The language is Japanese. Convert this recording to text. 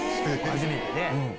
初めてで。